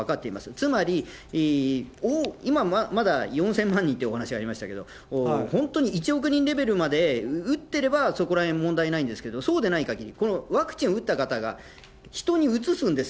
つまり、今、まだ４０００万人というお話ありましたけど、本当に１億人レベルまで打っていれば、そこらへん問題ないんですけど、そうでないかぎり、このワクチン打った方が人にうつすんです。